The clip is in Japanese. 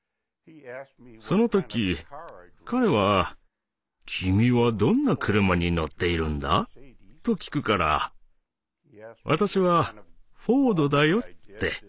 その時彼は「君はどんな車に乗っているんだ？」と聞くから私は「フォードだよ」って。